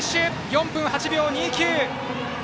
４分８秒２９。